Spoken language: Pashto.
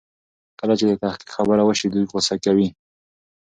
کله چې د تحقيق خبره وشي دوی غوسه کوي.